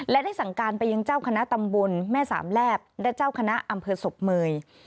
และได้สั่งการไปยังเจ้าคณะตำบลแม่สามแลบและเจ้าคณะอำเภอศพเมย